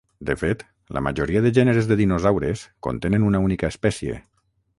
De fet, la majoria de gèneres de dinosaures contenen una única espècie.